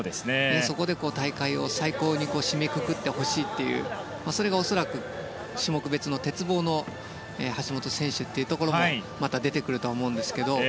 そこで、大会を最高に締めくくってほしいというそれが恐らく種目別の鉄棒の橋本選手というところもまた出てくるとは思うんですけれども。